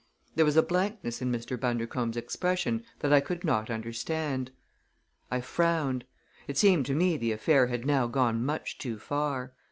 There was a blankness in Mr. Bundercombe's expression that I could not understand. I frowned. It seemed to me the affair had now gone much too far.